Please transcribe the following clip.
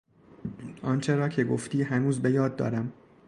آنچه را که گفتی هنوز به یاد دارم.